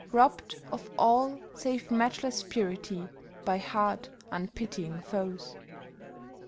Robbed of all save matchless purity by hard, unpitying foes.